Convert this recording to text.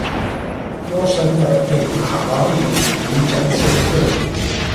Roshan 在电影《卡瓦利》里展现特点。